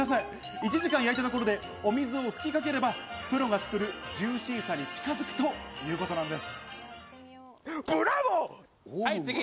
１時間焼いたところで、お水を吹きかければプロが作るジューシーさに近づくということなんです。